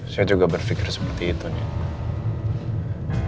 saya juga berpikir seperti itu nih